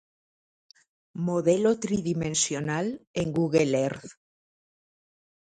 Modelo Tridimensional en Google Earth